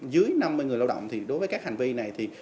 dưới năm mươi người lao động thì đối với các hành vi này thì